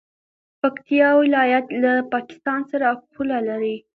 پکتیکا ولایت له پاکستان سره پوله لري.